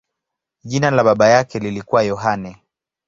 Jina la baba yake lilikuwa Yohane.